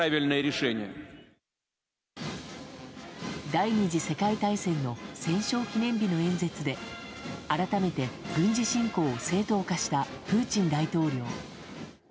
第２次世界大戦の戦勝記念日の演説で改めて軍事侵攻を正当化したプーチン大統領。